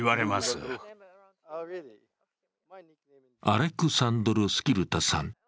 アレクサンドル・スキルタさん。